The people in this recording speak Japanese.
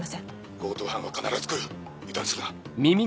強盗犯は必ず来る油断するな。